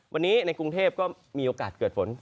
วันนี้ในกรุงเทพก็มีโอกาสเกิดฝน